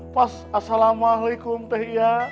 pas assalamualaikum teh iya